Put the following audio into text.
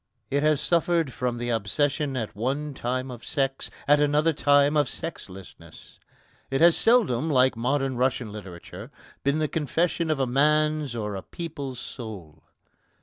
It has suffered from the obsession at one time of sex, at another time of sexlessness. It has seldom, like modern Russian literature, been the confession of a man's or a people's soul.